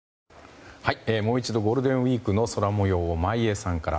もう一度ゴールデンウィークの空模様を眞家さんから。